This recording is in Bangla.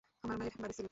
আমার মায়ের বাড়ি সিলেটে।